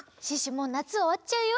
もうなつおわっちゃうよ。